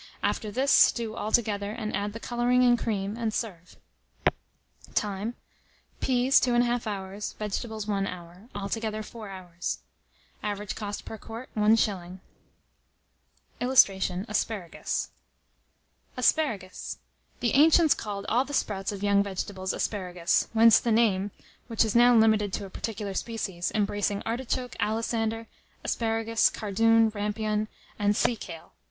After this, stew altogether, and add the colouring and cream, and serve. Time. Peas 2 1/2 hours, vegetables 1 hour; altogether 4 hours. Average cost per quart, 1s. [Illustration: ASPARAGUS.] ASPARAGUS. The ancients called all the sprouts of young vegetables asparagus, whence the name, which is now limited to a particular species, embracing artichoke, alisander, asparagus, cardoon, rampion, and sea kale.